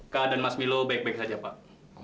kak dan mas milo baik baik saja pak